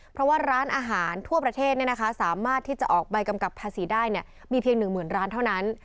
เพราะว่าร้านอาหารทั่วประเทศเนี้ยนะคะสามารถที่จะออกใบกำกลับภาษีได้เนี้ยมีเพียงหนึ่งหมื่นร้านเท่านั้น